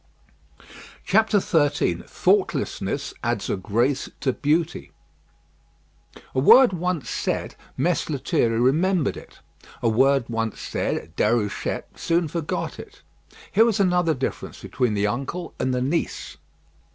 XIII THOUGHTLESSNESS ADDS A GRACE TO BEAUTY A word once said, Mess Lethierry remembered it: a word once said, Déruchette soon forgot it. Here was another difference between the uncle and the niece.